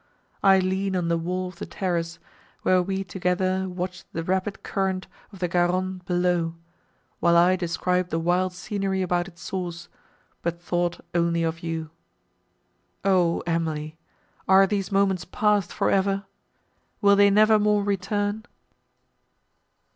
I lean on the wall of the terrace, where we together watched the rapid current of the Garonne below, while I described the wild scenery about its source, but thought only of you. O Emily! are these moments passed for ever—will they never more return?"